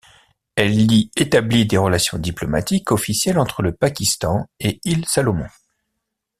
Elle y établi des relations diplomatiques officielles entre le Pakistan et Îles Salomon.